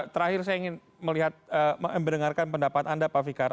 terakhir saya ingin mendengarkan pendapat anda pak fikar